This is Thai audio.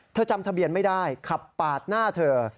จำทะเบียนไม่ได้ขับปาดหน้าเธอ